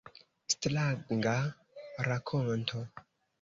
Stranga rakonto.